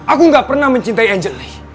aku gak pernah mencintai angel li